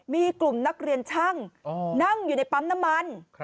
มีกลุ่มนักเรียนช่างนั่งอยู่ในปั๊มน้ำมัน